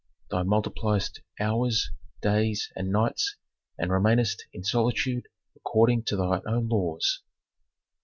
Thou multipliest hours, days, and nights, and remainest in solitude according to thy own laws."